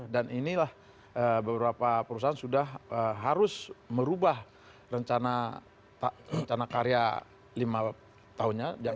dan inilah beberapa perusahaan sudah harus merubah rencana karya lima tahunnya